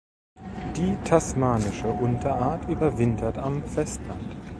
Die tasmanische Unterart überwintert am Festland.